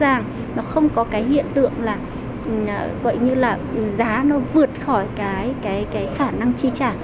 rõ ràng nó không có cái hiện tượng là gọi như là giá nó vượt khỏi cái khả năng chi trả